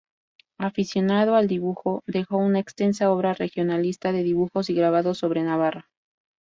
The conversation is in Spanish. Aficionado al dibujo, dejó una extensa obra regionalista de dibujos y grabados sobre Navarra.